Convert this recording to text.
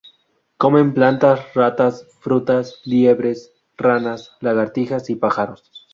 Comen plantas, ratas, frutas, liebres, ranas, lagartijas y pájaros.